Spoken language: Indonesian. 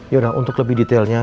yaudah untuk lebih detailnya